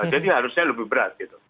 jadi harusnya lebih berat